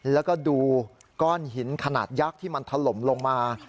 แล้วก็ดูก้อนหินขนาดยักษ์ที่มันถล่มลงมา